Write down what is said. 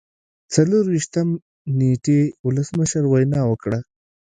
څلور ویشتم نیټې ولسمشر وینا وکړه.